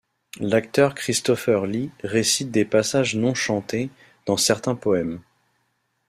L'acteur Christopher Lee récite des passages non chantés, dans certains poèmes.